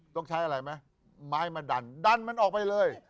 ต้องใช้อะไรไหมไม้มาดันดันมันออกไปเลย